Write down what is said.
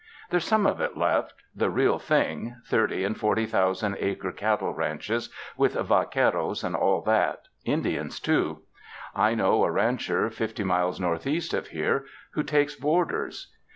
There's some of it left — the real thing — thirty and forty thousand acre cattle ranches with vaqueros and all that — Indians, too. I know a rancher fifty miles northeast of here, who takes boarders.